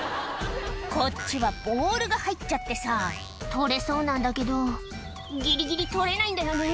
「こっちはボールが入っちゃってさ取れそうなんだけどギリギリ取れないんだよね」